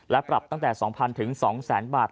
และปรับตั้งแต่๒๐๐๐ถึง๒แสนบาท